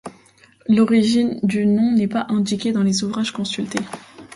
L'origine du nom n'est pas indiquée dans les ouvrages consultés.